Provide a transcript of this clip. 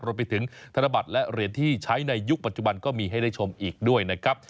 รวมไปถึงธนบัตรและเหรียญที่ใช้ในยุคปัจจุบันก็มีให้ได้ชมอีกด้วยนะครับ